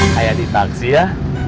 kaya di taksi ya